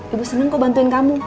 ibu senang kau bantuin kamu